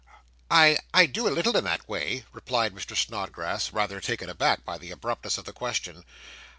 'I I do a little in that way,' replied Mr. Snodgrass, rather taken aback by the abruptness of the question.